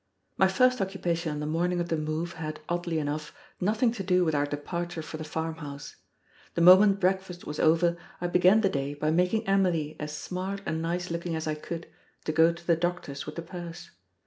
My first occupation on the morning of the move had, oddly enough, nothing to do with our departure for the farmhouse. The moment breakfast was over I began the day by making Emily as smart and nice looking as I could, to go to the doctor's with the purse.